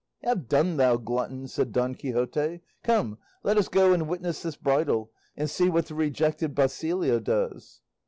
"Have done, thou glutton," said Don Quixote; "come, let us go and witness this bridal, and see what the rejected Basilio does."